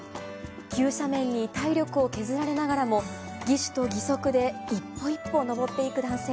急斜面に体力を削られながらも、義手と義足で一歩一歩登っていく男性。